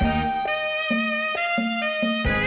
และผมแก้ช่วยดีกว่า